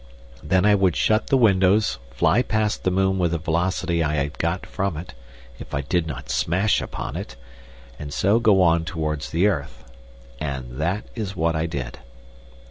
Then I would shut the windows, fly past the moon with the velocity I had got from it—if I did not smash upon it—and so go on towards the earth. And that is what I did.